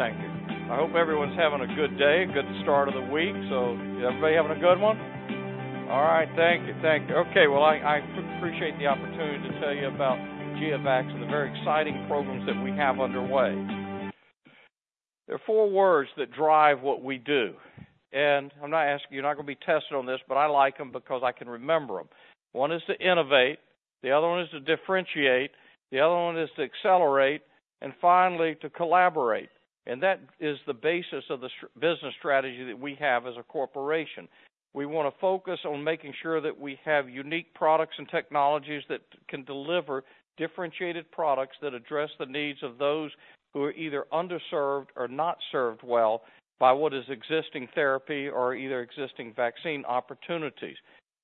Thank you. I hope everyone's having a good day, a good start of the week. So everybody having a good one? All right. Thank you, thank you. Okay, well, I appreciate the opportunity to tell you about GeoVax and the very exciting programs that we have underway. There are four words that drive what we do, and I'm not asking, you're not going to be tested on this, but I like them because I can remember them. One is to innovate, the other one is to differentiate, the other one is to accelerate, and finally, to collaborate. And that is the basis of the business strategy that we have as a corporation. We want to focus on making sure that we have unique products and technologies that can deliver differentiated products that address the needs of those who are either underserved or not served well by what is existing therapy or either existing vaccine opportunities.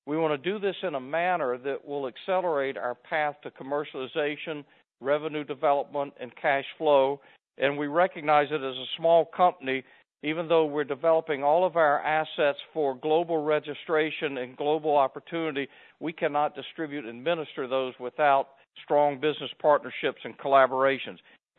We want to do this in a manner that will accelerate our path to commercialization, revenue development, and cash flow. We recognize that as a small company, even though we're developing all of our assets for global registration and global opportunity, we cannot distribute and administer those without strong business partnerships and collaborations.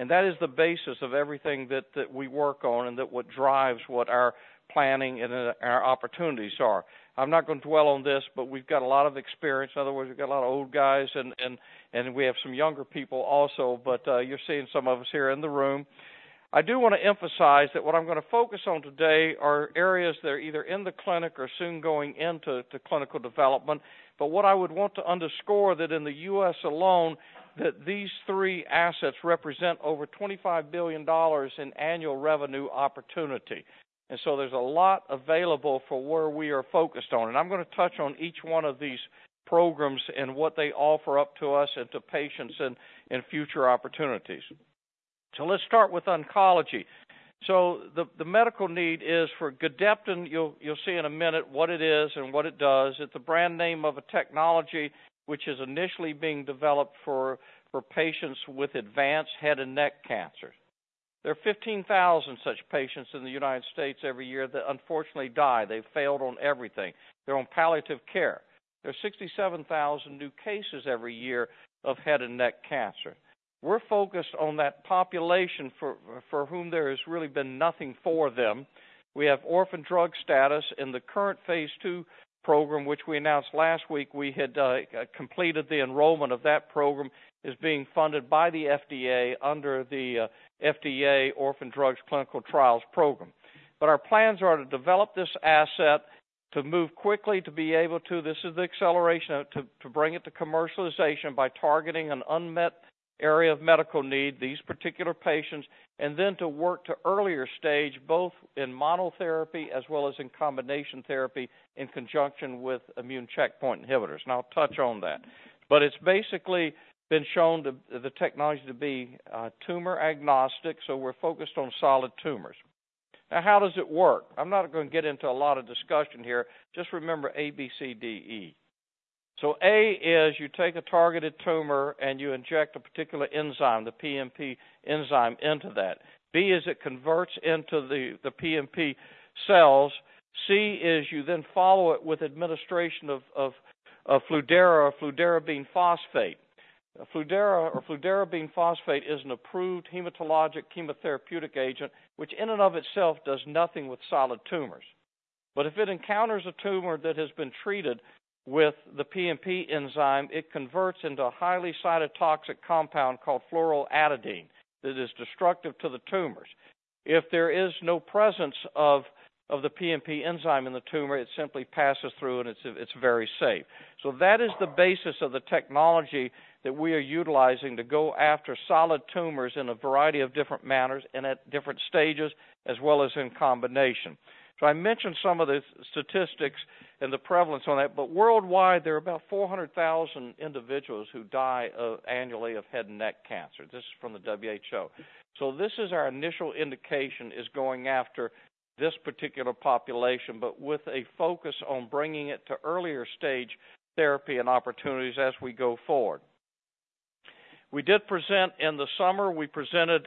That is the basis of everything that we work on and that what drives what our planning and then our opportunities are. I'm not going to dwell on this, but we've got a lot of experience. In other words, we've got a lot of old guys and we have some younger people also, but you're seeing some of us here in the room. I do want to emphasize that what I'm going to focus on today are areas that are either in the clinic or soon going into clinical development. But what I would want to underscore that in the U.S. alone, that these three assets represent over $25 billion in annual revenue opportunity. And so there's a lot available for where we are focused on, and I'm going to touch on each one of these programs and what they offer up to us and to patients in future opportunities. So let's start with oncology. So the medical need is for Gedeptin. You'll see in a minute what it is and what it does. It's a brand name of a technology which is initially being developed for patients with advanced head and neck cancer. There are 15,000 such patients in the United States every year that unfortunately die. They've failed on everything. They're on palliative care. There are 67,000 new cases every year of head and neck cancer. We're focused on that population for whom there has really been nothing for them. We have orphan drug status in the current phase II program, which we announced last week. We had completed the enrollment of that program, is being funded by the FDA under the FDA Orphan Drugs Clinical Trials program. But our plans are to develop this asset to move quickly, to be able to... This is the acceleration, to bring it to commercialization by targeting an unmet area of medical need, these particular patients, and then to work to earlier stage, both in monotherapy as well as in combination therapy, in conjunction with immune checkpoint inhibitors. And I'll touch on that. But it's basically been shown the technology to be tumor agnostic, so we're focused on solid tumors. Now, how does it work? I'm not going to get into a lot of discussion here. Just remember A, B, C, D, E. So A is you take a targeted tumor, and you inject a particular enzyme, the PNP enzyme, into that. B is it converts into the PNP cells. C is you then follow it with administration of Fludara or fludarabine phosphate. Fludara or fludarabine phosphate is an approved hematologic chemotherapeutic agent, which in and of itself does nothing with solid tumors. But if it encounters a tumor that has been treated with the PNP enzyme, it converts into a highly cytotoxic compound called fluoroadenine that is destructive to the tumors. If there is no presence of the PNP enzyme in the tumor, it simply passes through, and it's very safe. So that is the basis of the technology that we are utilizing to go after solid tumors in a variety of different manners and at different stages, as well as in combination. So I mentioned some of the statistics and the prevalence on that, but worldwide, there are about 400,000 individuals who die annually of head and neck cancer. This is from the WHO. So this is our initial indication, is going after this particular population, but with a focus on bringing it to earlier stage therapy and opportunities as we go forward. We presented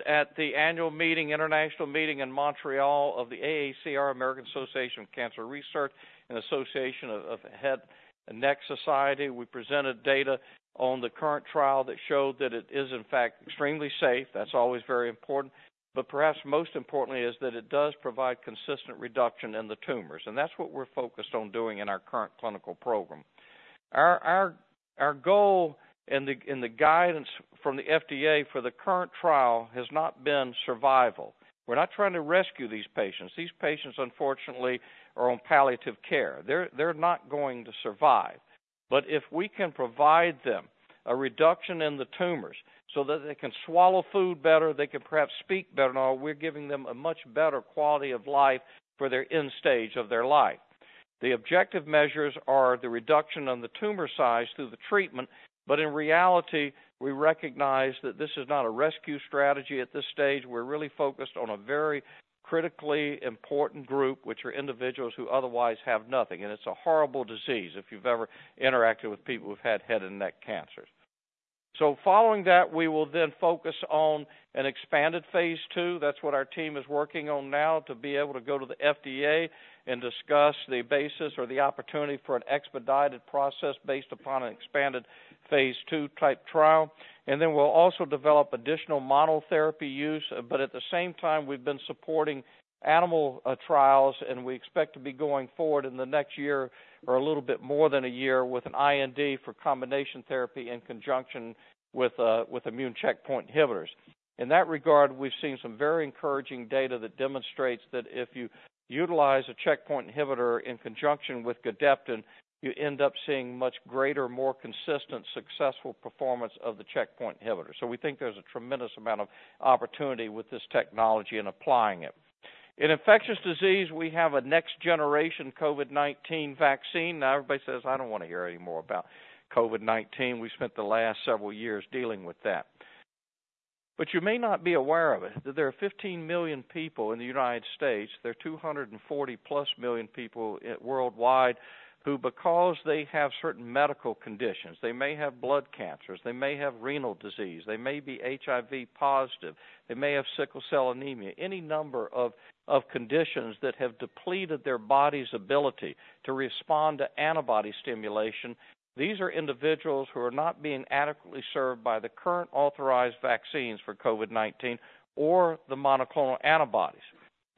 at the annual meeting, international meeting in Montreal of the AACR, American Association for Cancer Research and American Head and Neck Society. We presented data on the current trial that showed that it is, in fact, extremely safe. That's always very important, but perhaps most importantly is that it does provide consistent reduction in the tumors, and that's what we're focused on doing in our current clinical program. Our goal and the guidance from the FDA for the current trial has not been survival. We're not trying to rescue these patients. These patients, unfortunately, are on palliative care. They're not going to survive. But if we can provide them a reduction in the tumors so that they can swallow food better, they can perhaps speak better, now we're giving them a much better quality of life for their end stage of their life. The objective measures are the reduction on the tumor size through the treatment, but in reality, we recognize that this is not a rescue strategy at this stage. We're really focused on a very critically important group, which are individuals who otherwise have nothing, and it's a horrible disease if you've ever interacted with people who've had head and neck cancers. So following that, we will then focus on an expanded phase II. That's what our team is working on now to be able to go to the FDA and discuss the basis or the opportunity for an expedited process based upon an expanded phase II type trial. And then we'll also develop additional monotherapy use. But at the same time, we've been supporting animal trials, and we expect to be going forward in the next year or a little bit more than a year with an IND for combination therapy in conjunction with immune checkpoint inhibitors. In that regard, we've seen some very encouraging data that demonstrates that if you utilize a checkpoint inhibitor in conjunction with Gadeptin, you end up seeing much greater, more consistent, successful performance of the checkpoint inhibitor. So we think there's a tremendous amount of opportunity with this technology and applying it. In infectious disease, we have a next-generation COVID-19 vaccine. Now everybody says, "I don't want to hear any more about COVID-19." We spent the last several years dealing with that. But you may not be aware of it, that there are 15 million people in the United States, there are 240+ million people worldwide, who, because they have certain medical conditions, they may have blood cancers, they may have renal disease, they may be HIV positive, they may have sickle cell anemia, any number of, of conditions that have depleted their body's ability to respond to antibody stimulation. These are individuals who are not being adequately served by the current authorized vaccines for COVID-19 or the monoclonal antibodies.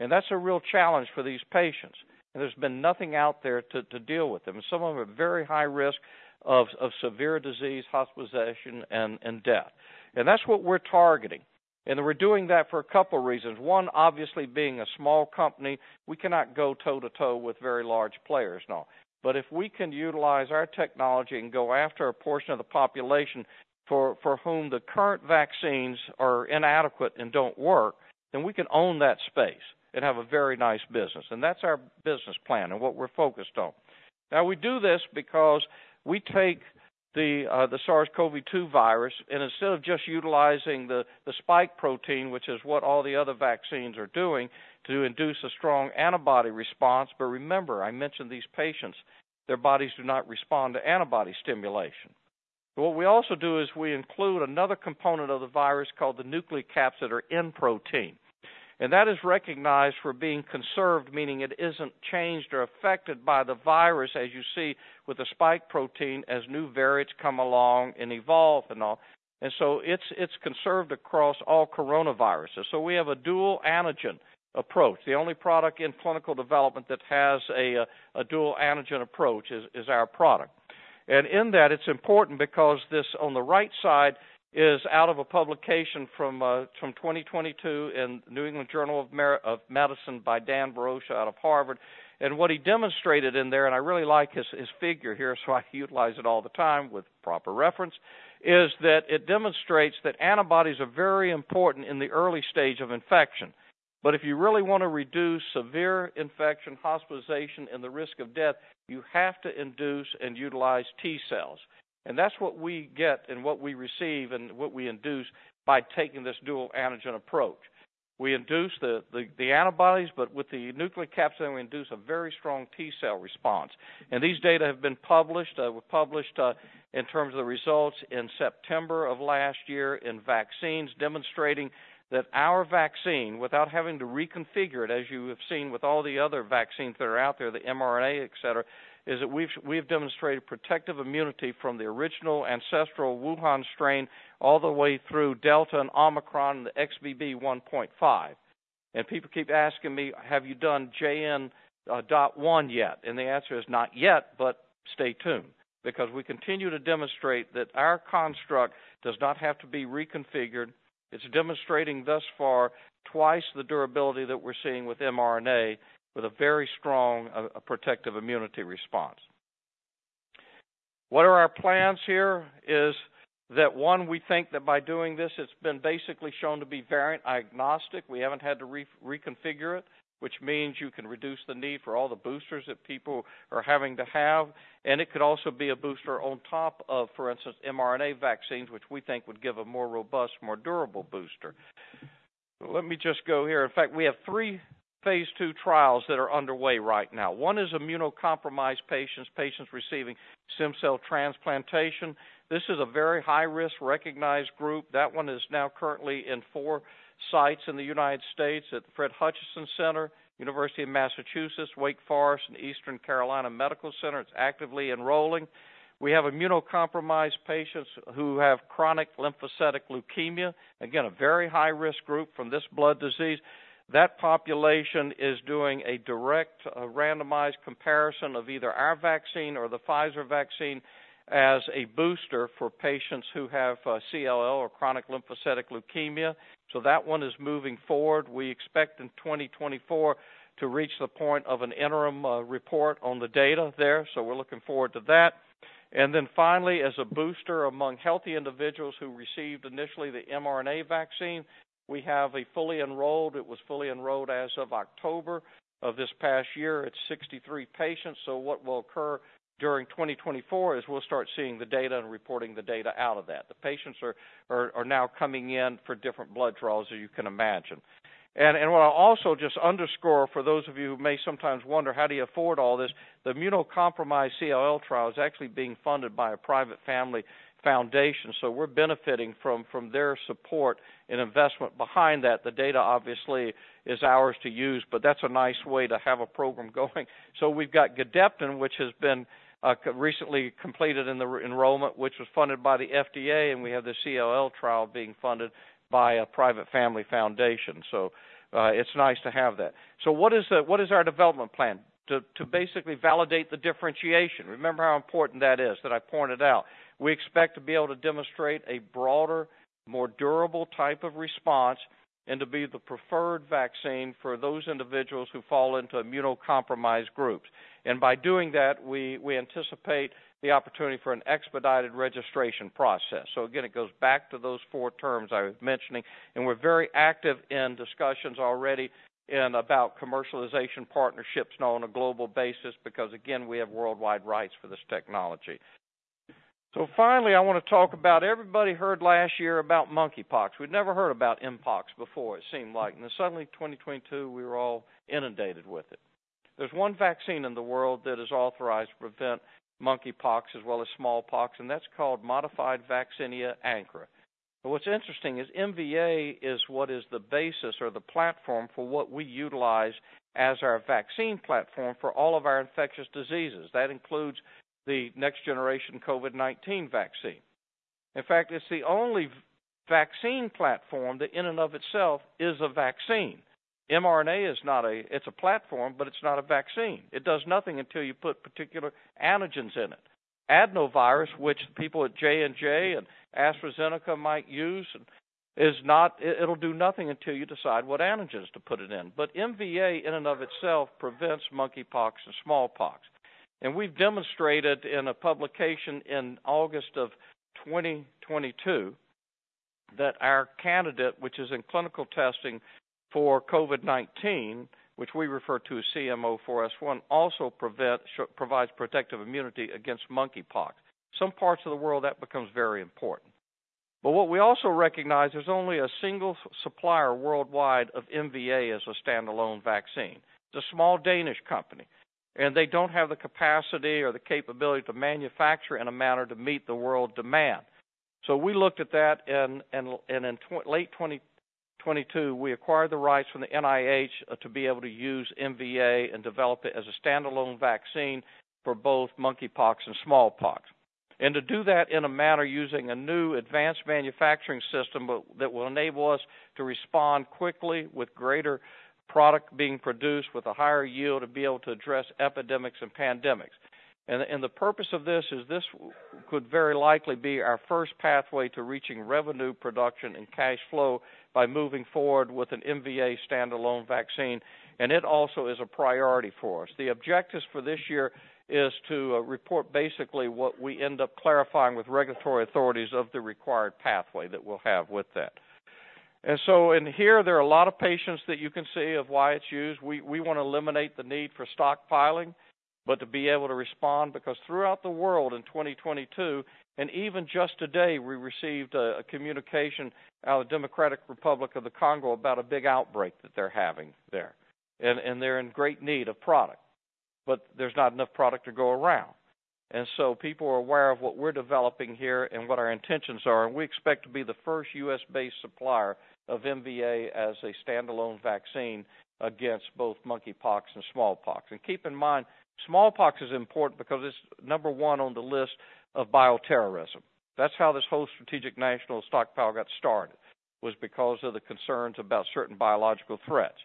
And that's a real challenge for these patients, and there's been nothing out there to, to deal with them. Some of them are at very high risk of, of severe disease, hospitalization, and, and death. And that's what we're targeting, and we're doing that for a couple of reasons. 1, obviously, being a small company, we cannot go toe-to-toe with very large players now. But if we can utilize our technology and go after a portion of the population for whom the current vaccines are inadequate and don't work, then we can own that space and have a very nice business. And that's our business plan and what we're focused on. Now, we do this because we take the SARS-CoV-2 virus, and instead of just utilizing the Spike Protein, which is what all the other vaccines are doing, to induce a strong antibody response, but remember, I mentioned these patients, their bodies do not respond to antibody stimulation. But what we also do is we include another component of the virus called the nucleocapsid or N protein, and that is recognized for being conserved, meaning it isn't changed or affected by the virus, as you see with the spike protein, as new variants come along and evolve and all. And so it's conserved across all coronaviruses. So we have a dual antigen approach. The only product in clinical development that has a dual antigen approach is our product. And in that, it's important because this on the right side is out of a publication from 2022 in New England Journal of Medicine by Dan Barouch out of Harvard. What he demonstrated in there, and I really like his figure here, so I utilize it all the time with proper reference, is that it demonstrates that antibodies are very important in the early stage of infection. But if you really want to reduce severe infection, hospitalization, and the risk of death, you have to induce and utilize T cells. And that's what we get and what we receive and what we induce by taking this dual antigen approach. We induce the antibodies, but with the nucleocapsid, we induce a very strong T cell response. These data have been published, were published, in terms of the results in September of last year in Vaccines, demonstrating that our vaccine, without having to reconfigure it, as you have seen with all the other vaccines that are out there, the mRNA, et cetera, is that we've demonstrated protective immunity from the original ancestral Wuhan strain all the way through Delta and Omicron, the XBB.1.5. People keep asking me, "Have you done JN.1 yet?" The answer is not yet, but stay tuned because we continue to demonstrate that our construct does not have to be reconfigured. It's demonstrating thus far twice the durability that we're seeing with mRNA, with a very strong protective immunity response. What are our plans here? Is that, one, we think that by doing this, it's been basically shown to be variant agnostic. We haven't had to reconfigure it, which means you can reduce the need for all the boosters that people are having to have, and it could also be a booster on top of, for instance, mRNA vaccines, which we think would give a more robust, more durable booster. Let me just go here. In fact, we have three phase II trials that are underway right now. One is immunocompromised patients, patients receiving stem cell transplantation. This is a very high-risk recognized group. That one is now currently in four sites in the United States at the Fred Hutchinson Cancer Center, University of Massachusetts, Wake Forest University, and ECU Health Medical Center. It's actively enrolling. We have immunocompromised patients who have chronic lymphocytic leukemia. Again, a very high-risk group from this blood disease. That population is doing a direct randomized comparison of either our vaccine or the Pfizer vaccine as a booster for patients who have CLL or chronic lymphocytic leukemia. So that one is moving forward. We expect in 2024 to reach the point of an interim report on the data there, so we're looking forward to that. And then finally, as a booster among healthy individuals who received initially the mRNA vaccine, we have a fully enrolled... it was fully enrolled as of October of this past year. It's 63 patients, so what will occur during 2024 is we'll start seeing the data and reporting the data out of that. The patients are now coming in for different blood draws, as you can imagine. And what I'll also just underscore for those of you who may sometimes wonder, how do you afford all this? The immunocompromised CLL trial is actually being funded by a private family foundation, so we're benefiting from their support and investment behind that. The data obviously is ours to use, but that's a nice way to have a program going. So we've got Gadeptin, which has been recently completed in the enrollment, which was funded by the FDA, and we have the CLL trial being funded by a private family foundation. So it's nice to have that. So what is our development plan? To basically validate the differentiation. Remember how important that is, that I pointed out. We expect to be able to demonstrate a more durable type of response, and to be the preferred vaccine for those individuals who fall into immunocompromised groups. And by doing that, we anticipate the opportunity for an expedited registration process. So again, it goes back to those four terms I was mentioning, and we're very active in discussions already in about commercialization partnerships on a global basis, because, again, we have worldwide rights for this technology. So finally, I want to talk about everybody heard last year about monkeypox. We'd never heard about mpox before, it seemed like, and then suddenly, 2022, we were all inundated with it. There's one vaccine in the world that is authorized to prevent monkeypox as well as smallpox, and that's called Modified Vaccinia Ankara. But what's interesting is MVA is what is the basis or the platform for what we utilize as our vaccine platform for all of our infectious diseases. That includes the next generation COVID-19 vaccine. In fact, it's the only vaccine platform that in and of itself is a vaccine. mRNA is not a—it's a platform, but it's not a vaccine. It does nothing until you put particular antigens in it. Adenovirus, which people at Johnson & Johnson and AstraZeneca might use, is not. It'll do nothing until you decide what antigens to put it in. But MVA, in and of itself, prevents monkeypox and smallpox. And we've demonstrated in a publication in August 2022, that our candidate, which is in clinical testing for COVID-19, which we refer to as GEO-CM04S1, also provides protective immunity against monkeypox. Some parts of the world, that becomes very important. But what we also recognize, there's only a single supplier worldwide of MVA as a standalone vaccine. It's a small Danish company, and they don't have the capacity or the capability to manufacture in a manner to meet the world demand. So we looked at that and in late 2022, we acquired the rights from the NIH to be able to use MVA and develop it as a standalone vaccine for both monkeypox and smallpox. And to do that in a manner using a new advanced manufacturing system, but that will enable us to respond quickly with greater product being produced, with a higher yield, to be able to address epidemics and pandemics. And the purpose of this is, this could very likely be our first pathway to reaching revenue production and cash flow by moving forward with an MVA standalone vaccine, and it also is a priority for us. The objectives for this year is to report basically what we end up clarifying with regulatory authorities of the required pathway that we'll have with that. So in here, there are a lot of patients that you can see of why it's used. We, we want to eliminate the need for stockpiling, but to be able to respond, because throughout the world in 2022, and even just today, we received a, a communication out of the Democratic Republic of the Congo about a big outbreak that they're having there. And, and they're in great need of product, but there's not enough product to go around. And so people are aware of what we're developing here and what our intentions are, and we expect to be the first U.S.-based supplier of MVA as a standalone vaccine against both monkeypox and smallpox. And keep in mind, smallpox is important because it's number one on the list of bioterrorism. That's how this whole strategic national stockpile got started, was because of the concerns about certain biological threats.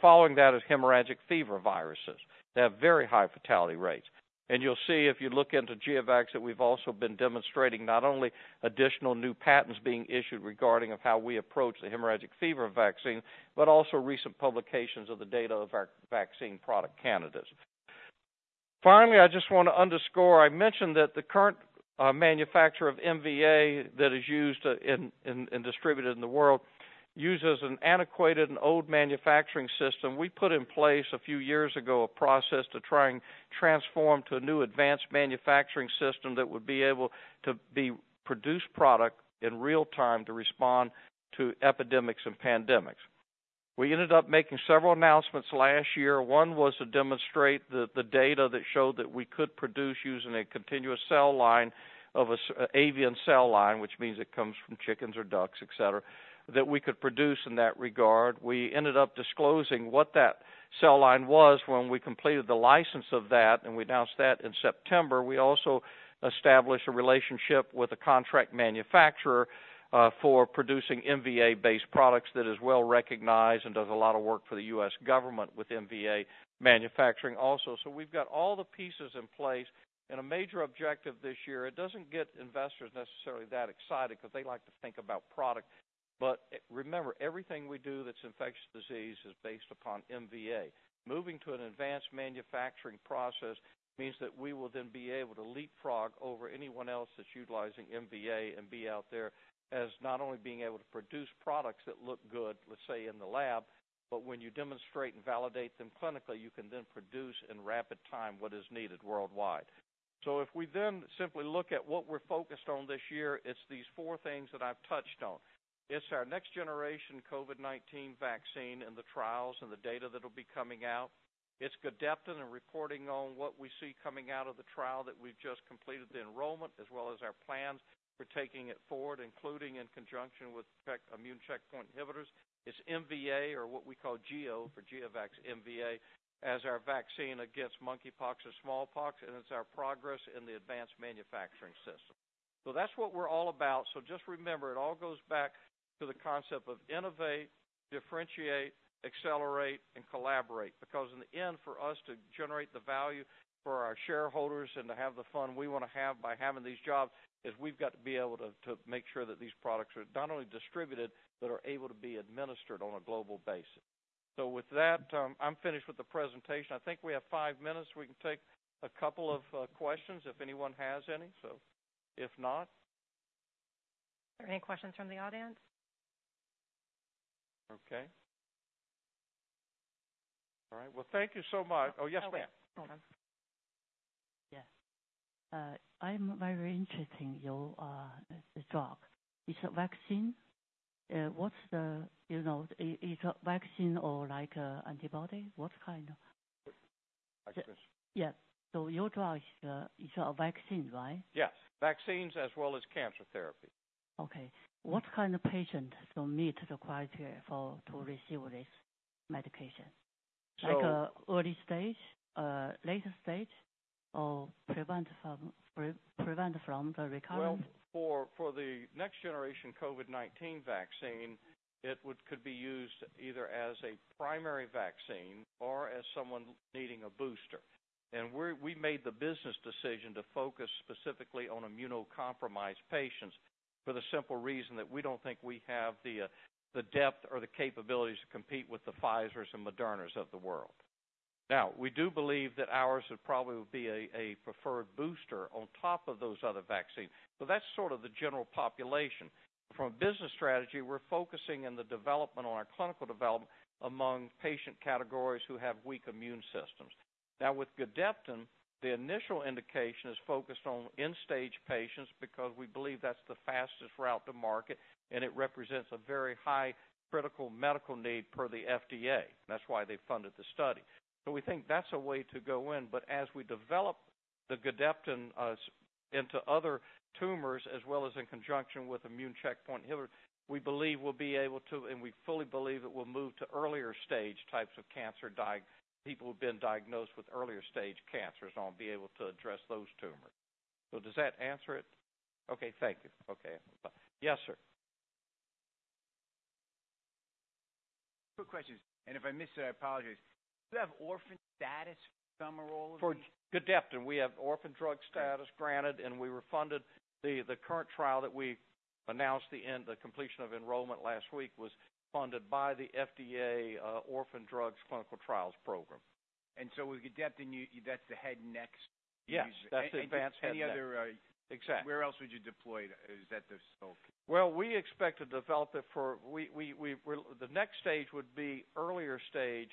Following that is hemorrhagic fever viruses. They have very high fatality rates. You'll see, if you look into GeoVax, that we've also been demonstrating not only additional new patents being issued regarding of how we approach the hemorrhagic fever vaccine, but also recent publications of the data of our vaccine product candidates. Finally, I just want to underscore, I mentioned that the current manufacturer of MVA that is used and distributed in the world uses an antiquated and old manufacturing system. We put in place a few years ago, a process to try and transform to a new advanced manufacturing system that would be able to produce product in real time to respond to epidemics and pandemics. We ended up making several announcements last year. One was to demonstrate the data that showed that we could produce using a continuous cell line of a SF-avian cell line, which means it comes from chickens or ducks, et cetera, that we could produce in that regard. We ended up disclosing what that cell line was when we completed the license of that, and we announced that in September. We also established a relationship with a contract manufacturer for producing MVA-based products that is well recognized and does a lot of work for the U.S. government with MVA manufacturing also. So we've got all the pieces in place, and a major objective this year. It doesn't get investors necessarily that excited because they like to think about product. But remember, everything we do that's infectious disease is based upon MVA. Moving to an advanced manufacturing process means that we will then be able to leapfrog over anyone else that's utilizing MVA and be out there as not only being able to produce products that look good, let's say, in the lab, but when you demonstrate and validate them clinically, you can then produce in rapid time what is needed worldwide. So if we then simply look at what we're focused on this year, it's these four things that I've touched on. It's our next generation COVID-19 vaccine and the trials and the data that will be coming out. It's Gadeptin and reporting on what we see coming out of the trial that we've just completed the enrollment, as well as our plans for taking it forward, including in conjunction with immune checkpoint inhibitors. It's MVA, or what we call GEO for GeoVax MVA, as our vaccine against monkeypox or smallpox, and it's our progress in the advanced manufacturing system. So that's what we're all about. So just remember, it all goes back to the concept of innovate, differentiate, accelerate, and collaborate. Because in the end, for us to generate the value for our shareholders and to have the fun we want to have by having these jobs, is we've got to be able to make sure that these products are not only distributed, but are able to be administered on a global basis. So with that, I'm finished with the presentation. I think we have five minutes. We can take a couple of questions if anyone has any. So if not? Are there any questions from the audience? Okay. All right, well, thank you so much. Oh, yes, ma'am. Hold on. Yes. I'm very interested in your drug. It's a vaccine? What's the, you know— Is it a vaccine or like a antibody? What kind of- Vaccines. Yes. So your drug is a vaccine, right? Yes, vaccines as well as cancer therapy. Okay. What kind of patients will meet the criteria for, to receive this medication? So- Like an early stage, a later stage, or prevent from the recurrence? Well, for the next generation COVID-19 vaccine, it would could be used either as a primary vaccine or as someone needing a booster. And we made the business decision to focus specifically on immunocompromised patients for the simple reason that we don't think we have the the depth or the capabilities to compete with the Pfizers and Modernas of the world. Now, we do believe that ours would probably be a preferred booster on top of those other vaccines, but that's sort of the general population. From a business strategy, we're focusing on the development, on our clinical development among patient categories who have weak immune systems. Now, with Gadeptin, the initial indication is focused on end-stage patients because we believe that's the fastest route to market, and it represents a very high critical medical need per the FDA. That's why they funded the study. So we think that's a way to go in. But as we develop the Gadeptin into other tumors, as well as in conjunction with immune checkpoint inhibitors, we believe we'll be able to, and we fully believe it will move to earlier stage types of cancer, people who've been diagnosed with earlier stage cancers, and will be able to address those tumors. So does that answer it? Okay, thank you. Okay. Bye. Yes, sir. Quick questions, and if I miss it, I apologize. Do you have orphan status for some or all of these? For Gadeptin, we have orphan drug status granted, and we were funded. The current trial that we announced the completion of enrollment last week was funded by the FDA, Orphan Drugs Clinical Trials Program. And so with Gadeptin, that's the head and neck's? Yes, that's advanced head and neck. Any other, Exactly. Where else would you deploy it? Is that the scope? Well, we expect to develop it for... well, the next stage would be earlier stage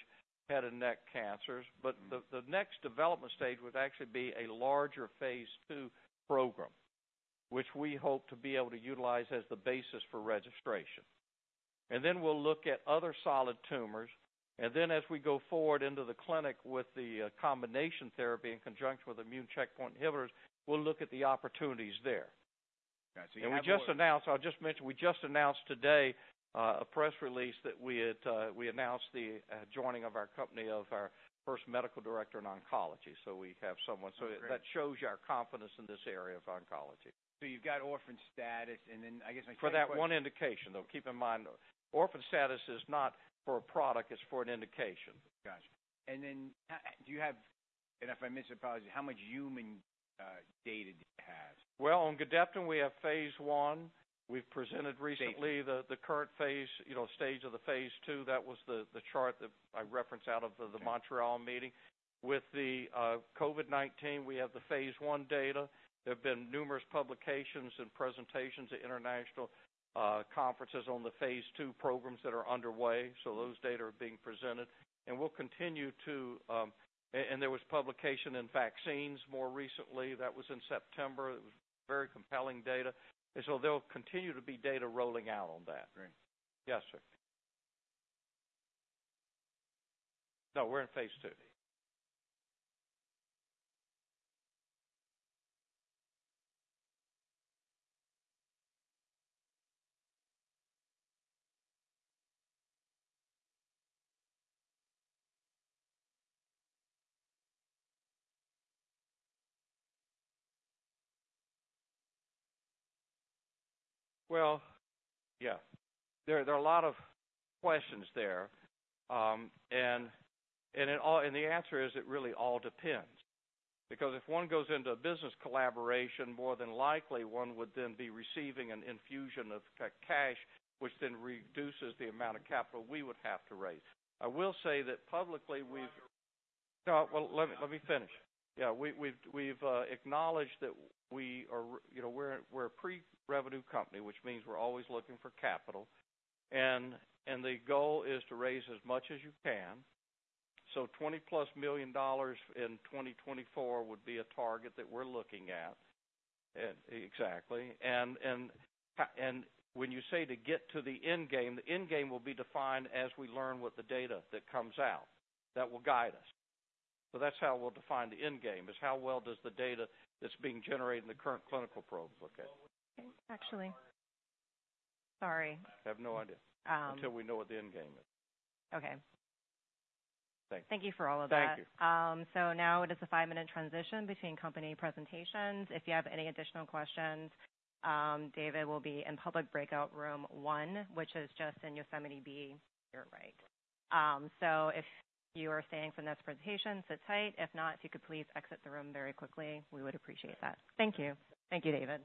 head and neck cancers. Mm-hmm. But the next development stage would actually be a larger phase II program, which we hope to be able to utilize as the basis for registration. And then we'll look at other solid tumors, and then as we go forward into the clinic with the combination therapy in conjunction with immune checkpoint inhibitors, we'll look at the opportunities there. I see. We just announced, I'll just mention, we just announced today a press release that we had, we announced the joining of our company, of our first medical director in oncology. So we have someone- Great. That shows you our confidence in this area of oncology. So you've got orphan status, and then I guess my- For that one indication, though. Keep in mind, orphan status is not for a product, it's for an indication. Got you. And then, do you have... And if I miss it, apologize, how much human data do you have? Well, on Gadeptin, we have phase I. We've presented recently- Great... the current phase, you know, stage of the Phase II. That was the chart that I referenced out of the Montreal meeting. With the COVID-19, we have the Phase I data. There have been numerous publications and presentations at international conferences on the Phase II programs that are underway, so those data are being presented. And we'll continue to and there was publication in Vaccines more recently. That was in September. It was very compelling data. And so there'll continue to be data rolling out on that. Great. Yes, sir. No, we're in phase II. Well, yes. There are a lot of questions there. And the answer is, it really all depends. Because if one goes into a business collaboration, more than likely, one would then be receiving an infusion of cash, which then reduces the amount of capital we would have to raise. I will say that publicly. No. Well, let me finish. Yeah, we've acknowledged that we are, you know, we're a pre-revenue company, which means we're always looking for capital. And the goal is to raise as much as you can. So $20+ million in 2024 would be a target that we're looking at. Exactly. When you say to get to the end game, the end game will be defined as we learn with the data that comes out. That will guide us. So that's how we'll define the end game, is how well does the data that's being generated in the current clinical programs look at? Okay. Actually... Sorry. I have no idea. Um. Until we know what the end game is. Okay. Thank you. Thank you for all of that. Thank you. So now it is a five-minute transition between company presentations. If you have any additional questions, David will be in public breakout room one, which is just in Yosemite B. You're right. So if you are staying for the next presentation, sit tight. If not, if you could please exit the room very quickly, we would appreciate that. Thank you. Thank you, David.